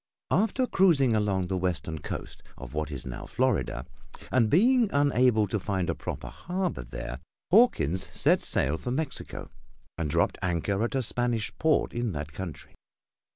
After cruising along the western coast of what is now Florida, and being unable to find a proper harbor there, Hawkins set sail for Mexico and dropped anchor at a Spanish port in that country.